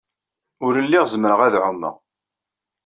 Ur lliɣ zemreɣ ad ɛumeɣ.